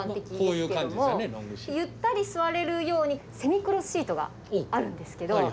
ゆったり座れるようにセミクロスシートがあるんですけど。